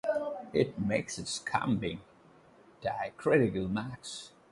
It makes use of combining diacritical marks.